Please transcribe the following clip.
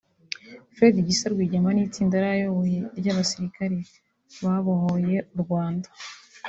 Fred Gisa Rwigema n’itsinda yari ayoboye ry’abasirikare babohoye u Rwanda